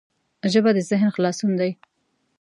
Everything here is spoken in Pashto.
ژبه د ذهن خلاصون دی